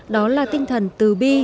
đó là tinh thần tư bi